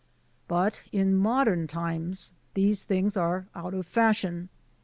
But in modem times these things are out of fash ion.